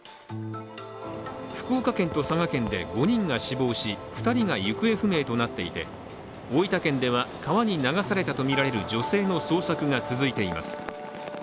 福岡県と佐賀県で５人が死亡し２人が行方不明となっていて大分県では川に流されたとみられる女性の捜索が続いています。